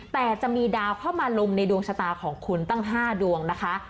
แต่จะมีดาวเข้ามาลุมในดวงชะตาของคุณตั้ง๕ดวงนะคะ